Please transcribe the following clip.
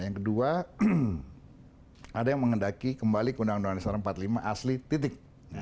yang kedua ada yang mengendaki kembali ke undang undang dasar empat puluh lima asli titik